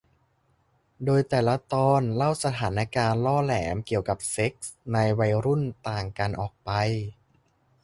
โดยแต่ละตอนเล่าสถานการณ์ล่อแหลมเกี่ยวกับเซ็กส์ในวัยรุ่นต่างกันออกไป